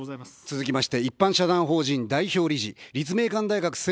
続きまして、一般社団法人代表理事、立命館大学専門研究員。